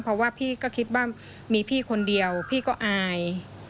เพราะว่าพี่ก็คิดว่ามีพี่คนเดียวพี่ก็อาย